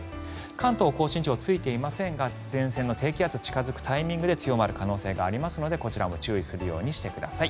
関東・甲信地方ついていませんが前線の低気圧が近付くタイミングで強まる可能性がありますのでこちらも注意するようにしてください。